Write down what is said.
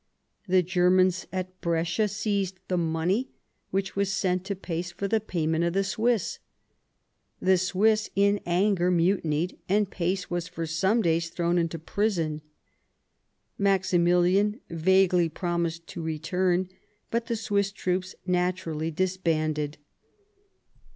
The Glermans at Brescia seized the money which was sent to Pace for the payment of the Swiss. The Swiss in anger muti nied, and Pace was for some days thrown into prison. Maximilian vaguely promised to return, but th« . Swiss troops naturally disbanded.